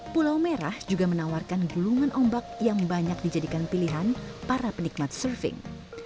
pulau merah juga menawarkan gulungan ombak yang banyak dijadikan pilihan para penikmat surfing